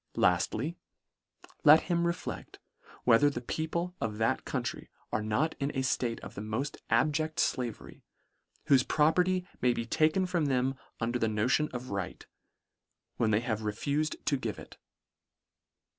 Laftly, let him reflect — whe ther the people of that country are not in a ftate of the moft abject flavery, whofe property may be taken from them under the notion of right, when they have refufed to give it.